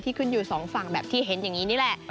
ขึ้นอยู่สองฝั่งแบบที่เห็นอย่างนี้นี่แหละ